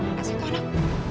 makasih toh anak